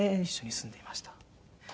一緒に住んでいました。